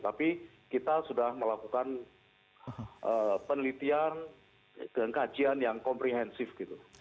tapi kita sudah melakukan penelitian dan kajian yang komprehensif gitu